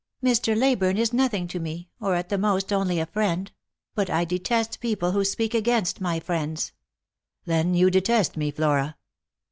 " Mr. Leyburne is nothing to me, or, at the most, only a friend ; but I detest people who speak against my friends." " Then you detest me, Flora